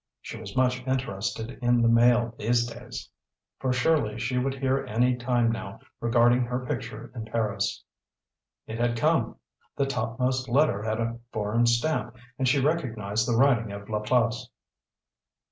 She was much interested in the mail these days, for surely she would hear any time now regarding her picture in Paris. It had come! The topmost letter had a foreign stamp, and she recognised the writing of Laplace.